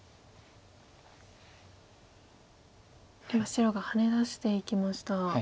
今白がハネ出していきました。